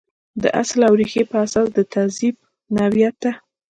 د اصل او ریښې په اساس د تهذیب نوعیت ته.